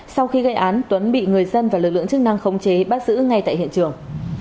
sau khi gây án tuấn bị người dân và lực lượng chức năng khống chế bắt giữ ngay tại hiện trường